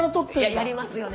やりますよね。